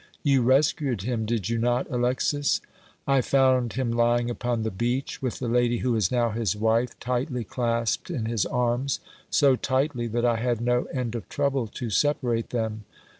"You rescued him, did you not, Alexis?" "I found him lying upon the beach, with the lady who is now his wife tightly clasped in his arms, so tightly that I had no end of trouble to separate them.